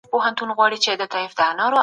د مارکیټینګ ستراتیژي جوړول مهم دي.